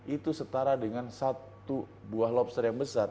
itu setara dengan satu buah lobster yang besar